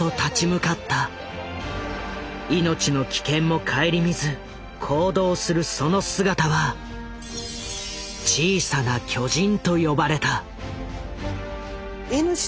命の危険も顧みず行動するその姿は「小さな巨人」と呼ばれた。